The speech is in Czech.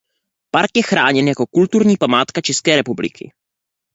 Park je chráněn jako kulturní památka České republiky.